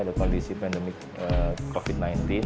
ada kondisi pandemi covid sembilan belas